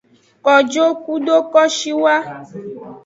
Kojo kudo kwashiwa.